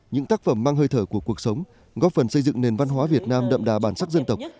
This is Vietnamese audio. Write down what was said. những tác phẩm mang hơi thở của cuộc sống góp phần xây dựng nền văn hóa việt nam đậm đà bản sắc dân tộc